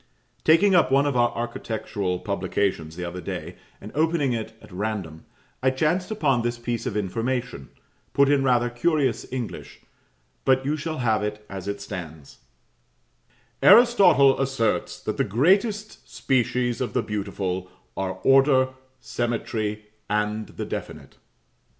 Taking up one of our architectural publications the other day, and opening it at random, I chanced upon this piece of information, put in rather curious English; but you shall have it as it stands "Aristotle asserts, that the greatest species of the beautiful are Order, Symmetry, and the Definite."